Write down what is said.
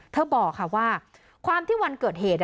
บอกค่ะว่าความที่วันเกิดเหตุ